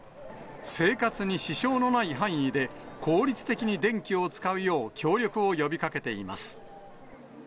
生活に支障のない範囲で効率的に電気を使うよう、協力を呼びかけています。